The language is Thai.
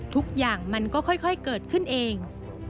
ทุกอย่างมันก็ค่อยเกิดขึ้นเอง